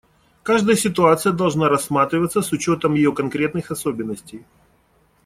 Каждая ситуация должна рассматриваться с учетом ее конкретных особенностей.